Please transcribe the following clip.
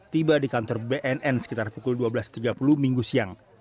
tiba di kantor bnn sekitar pukul dua belas tiga puluh minggu siang